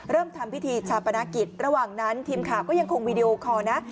ทำพิธีชาปนกิจระหว่างนั้นทีมข่าวก็ยังคงวีดีโอคอร์นะ